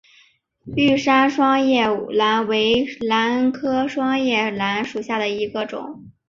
玉山双叶兰为兰科双叶兰属下的一个种。